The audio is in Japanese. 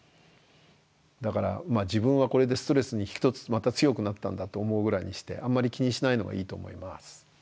だからまあ自分はこれでストレスに一つまた強くなったんだと思うぐらいにしてあんまり気にしないのがいいと思います。